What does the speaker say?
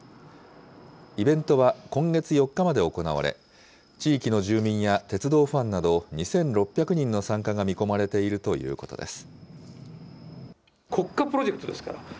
イベントは今月４日まで行われ、地域の住民や鉄道ファンなど２６００人の参加が見込まれているということです。